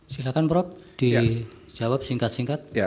silahkan prof dijawab singkat singkat